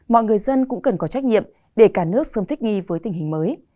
mọi người dân cũng cần có trách nhiệm để cả nước sớm thích nghi với tình hình mới